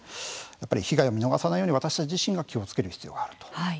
被害を見逃さないように私たち自身が気をつける必要があると。